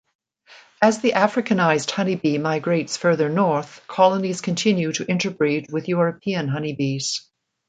As the Africanized honeybee migrates further north, colonies continue to interbreed with European honeybees.